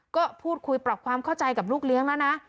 ก็พูดคุยปรับความเข้าใจกับลูกเลี้ยงแล้วนะ